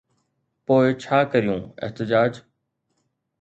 پوءِ ڇا ڪريون احتجاج؟